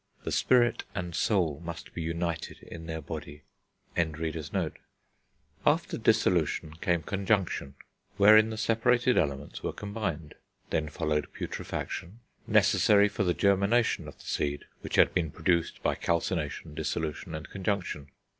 The spirit and soul must be united in their body. FIG. IV.] After dissolution came Conjunction, wherein the separated elements were combined. Then followed Putrefaction, necessary for the germination of the seed which had been produced by calcination, dissolution, and conjunction.